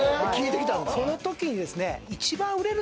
そのときにですね。